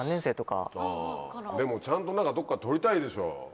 でもちゃんと何かどっか撮りたいでしょ。